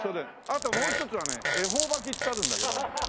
あともう一つはね恵方巻きってあるんだけど。